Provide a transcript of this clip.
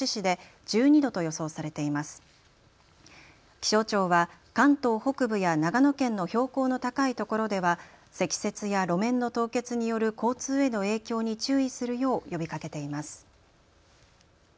気象庁は関東北部や長野県の標高の高い所では積雪や路面の凍結による交通への影響に注意するよう呼びかけています。